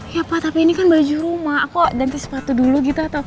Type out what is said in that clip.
ya pak tapi ini kan baju rumah kok ganti sepatu dulu gitu